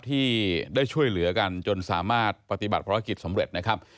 ที่ได้ช่วยเหลือกันจนสามารถปฏิบัติภารกิจสำเร็จนะครับ